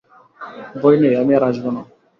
ভয় নেই, আমি আর আসব না।